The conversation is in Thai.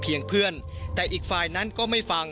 ช่วยเร่งจับตัวคนร้ายให้ได้โดยเร่ง